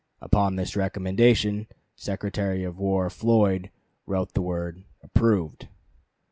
Upon this recommendation, Secretary of War Floyd wrote the word "approved."